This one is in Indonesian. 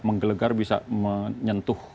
menggelegar bisa menyentuh